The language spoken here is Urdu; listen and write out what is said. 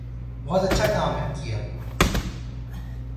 بہت اچھا کام کیا